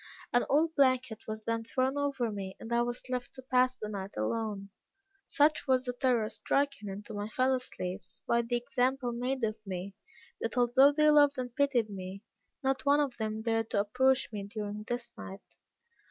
An old blanket was then thrown over me, and I was left to pass the night alone. Such was the terror stricken into my fellow slaves, by the example made of me, that although they loved and pitied me, not one of them dared to approach me during this night.